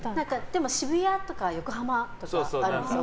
渋谷とか横浜とかあるんです。